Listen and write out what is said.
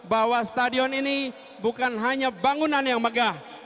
bahwa stadion ini bukan hanya bangunan yang megah